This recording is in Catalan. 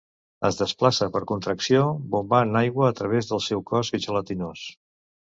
Es desplaça per contracció, bombant aigua a través del seu cos gelatinós.